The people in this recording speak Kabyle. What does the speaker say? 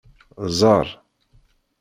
Ẓer.